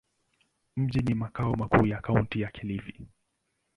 Mji ni makao makuu ya Kaunti ya Kilifi.